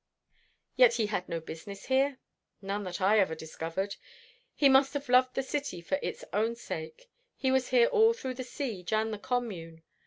"Yet he had no business here?" "None that I ever discovered. He must have loved the city for its own sake. He was here all through the siege and the Commune.